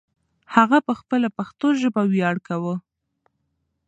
هغه په خپله پښتو ژبه ویاړ کاوه.